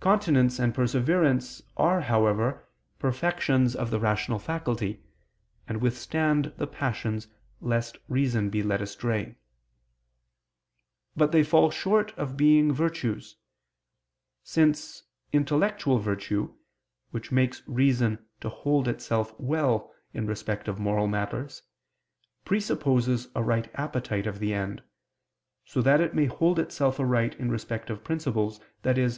Continency and perseverance are, however, perfections of the rational faculty, and withstand the passions lest reason be led astray. But they fall short of being virtues: since intellectual virtue, which makes reason to hold itself well in respect of moral matters, presupposes a right appetite of the end, so that it may hold itself aright in respect of principles, i.e.